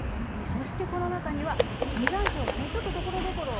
そしてこの中には実山椒がねちょっとところどころ。